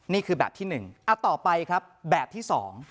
นี่คือแบบที่๑ต่อไปครับแบบที่๒